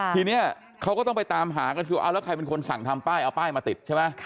ทีนี้เขาก็ต้องไปตามหากันสิว่าเอาแล้วใครเป็นคนสั่งทำป้ายเอาป้ายมาติดใช่ไหม